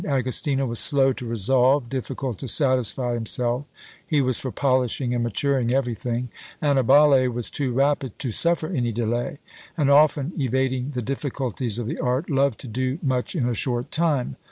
Agostino was slow to resolve, difficult to satisfy himself; he was for polishing and maturing everything: Annibale was too rapid to suffer any delay, and, often evading the difficulties of the art, loved to do much in a short time.